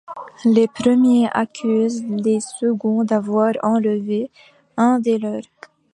Les premiers accusent les seconds d'avoir enlevé un des leurs.